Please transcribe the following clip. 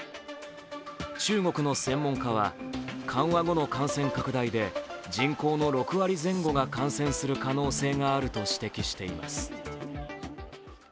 中国の専門家は緩和後の感染拡大で人口の６割前後が感染する可能性があると指摘しています。